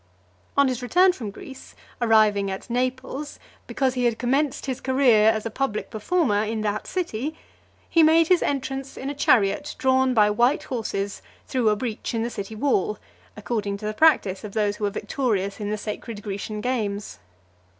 XXV. On his return from Greece, arriving at Naples, because he had commenced his career as a public performer in that city, he made his entrance in a chariot drawn by white horses through a breach in the city wall, according to the practice of those who were victorious in the sacred Grecian games.